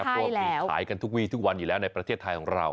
คนขายกันหมี้คุณทุกวีทุกวันอยู่แล้วในประเทศไทยของเรา